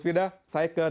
saya mau dikesan dulu ya